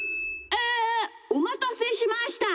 えおまたせしました。